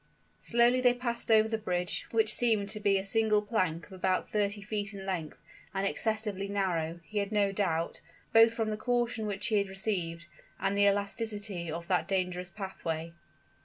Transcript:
Slowly they passed over the bridge, which seemed to be a single plank of about thirty feet in length and excessively narrow, he had no doubt, both from the caution which he had received and the elasticity of that dangerous pathway.